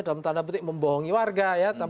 dalam tanda petik membohongi warga ya